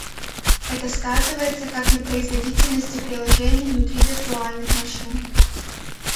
Это сказывается как на производительности приложений внутри виртуальных машин